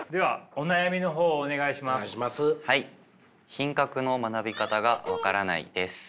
品格の学び方が分からないです。